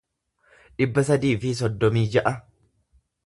dhibba sadii fi soddomii ja'a